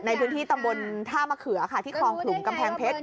ในพื้นที่ตำบลท่ามะเขือค่ะที่คลองขลุงกำแพงเพชร